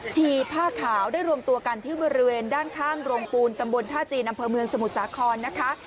ผ้าขาวได้รวมตัวกันที่บริเวณด้านข้างโรงปูนตำบลท่าจีนอำเภอเมืองสมุทรสาครนะคะ